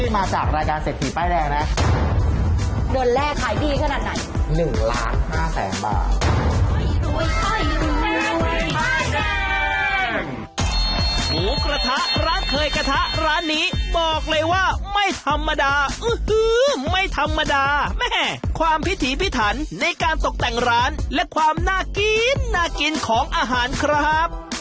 ก็จะรู้ว่าอื้อหือไม่ธรรมดาแม่ความพิถีพิถันในการตกแต่งร้านและความน่ากินน่ากินของอาหารครับ